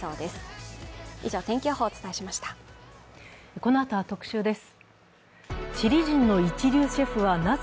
このあとは特集です。